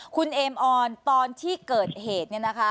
อ๋อคุณเอมออนตอนที่เกิดเหตุเนี่ยนะคะ